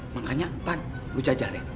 makanya tan lo jajah deh